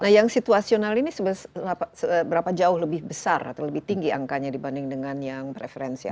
nah yang situasional ini seberapa jauh lebih besar atau lebih tinggi angkanya dibanding dengan yang preferensial